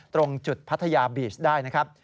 ตรงจุดพัทยาบีชได้นะครับ